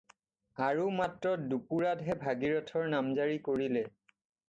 আৰু মাত্ৰ দুপুৰাতহে ভগীৰামৰ নামজাৰি কৰিলে।